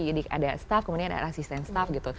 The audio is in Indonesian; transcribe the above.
jadi ada staff kemudian ada asisten staff gitu